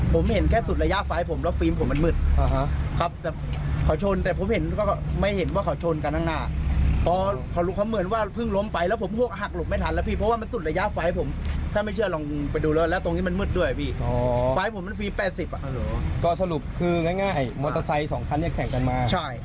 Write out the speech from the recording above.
อ๋อปลายหมุนมันฟรี๘๐อ่ะก็สรุปคือง่ายมอเตอร์ไซส์สองคันเนี่ยแข่งกันมาใช่